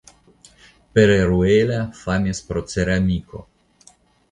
Pereruela famis pro ceramiko.